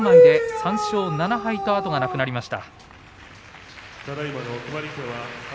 ３勝７敗、後がなくなりました。